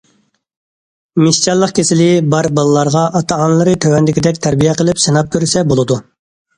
« مېشچانلىق كېسىلى» بار بالىلارغا ئاتا- ئانىلىرى تۆۋەندىكىدەك تەربىيە قىلىپ سىناپ كۆرسە بولىدۇ.